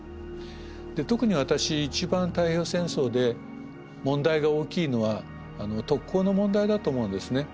特に私一番太平洋戦争で問題が大きいのは特攻の問題だと思うんですね。